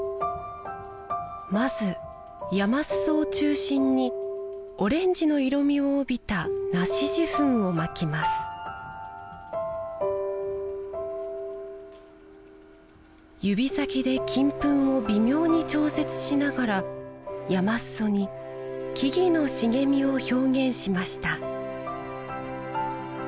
まず山裾を中心にオレンジの色みを帯びた梨子地粉を蒔きます指先で金粉を微妙に調節しながら山裾に木々の茂みを表現しました